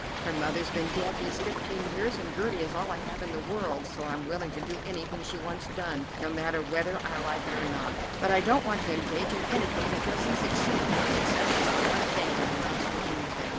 Her mother's been dead these fifteen years, and Gertie is all I have in the world, so I'm willing to do anything she wants done, no matter whether I like it or not. But I don't want to engage in anything that doesn't succeed. Success is the one thing that amounts to anything.